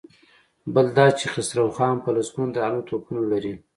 بل دا چې خسرو خان په لسګونو درانه توپونه لري.